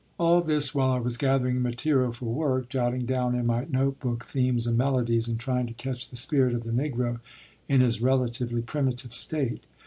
All this while I was gathering material for work, jotting down in my note book themes and melodies, and trying to catch the spirit of the Negro in his relatively primitive state.